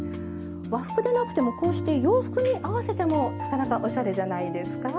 和服でなくてもこうして洋服に合わせてもなかなかおしゃれじゃないですか。